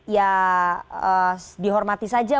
ya dihormati saja